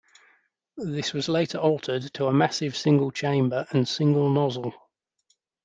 This was later altered to a massive single chamber and single nozzle.